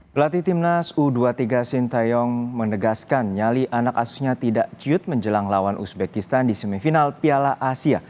pelatih timnas u dua puluh tiga sintayong menegaskan nyali anak asuhnya tidak ciut menjelang lawan uzbekistan di semifinal piala asia